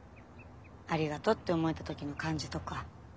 ありがとって思えた時の感じとか。